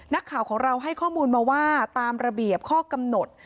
นักข่าวของเราให้ข้อมูลมาว่าตามระเบียบข้อกำหนด